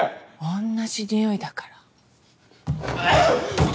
同じ匂いだから。